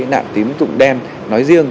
nạn tín tùng đen nói riêng